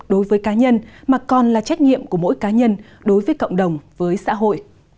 đối với cá nhân mà còn là trách nhiệm của mỗi cá nhân đối với cộng đồng với xã hội